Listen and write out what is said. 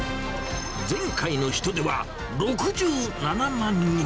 前回の人出は６７万人。